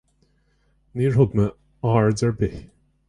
Níor thug mé aird ar bith.